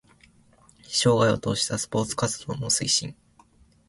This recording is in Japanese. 生涯を通じたスポーツ活動の推進